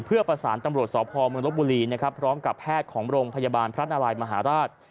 เพื่อประสานตำรวจสพเมืองลบบุรีนะครับพร้อมกับแพทย์ของโรงพยาบาลพระนารายมหาราช